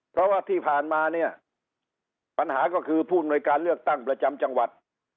เพราะว่าที่ผ่านมาเนี่ยปัญหาก็คือผู้อำนวยการเลือกตั้งประจำจังหวัด